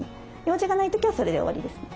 用事がない時はそれで終わりですね。